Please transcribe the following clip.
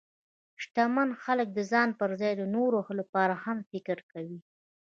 شتمن خلک د ځان پر ځای د نورو لپاره هم فکر کوي.